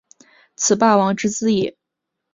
此霸王之资也。